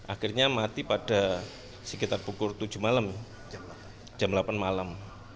akhirnya mati pada sekitar pukul tujuh malam jam delapan malam